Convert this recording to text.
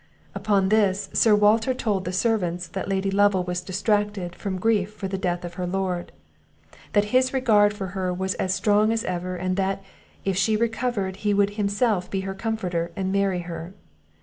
"Upon this, Sir Walter told the servants that Lady Lovel was distracted, from grief for the death of her Lord; that his regard for her was as strong as ever; and that, if she recovered, he would himself be her comforter, and marry her.